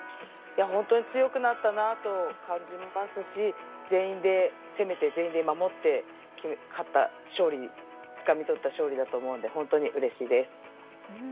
強くなったなと感じますし全員で攻めて、全員で守って勝った勝利つかみとった勝利だと思うので本当にうれしいです。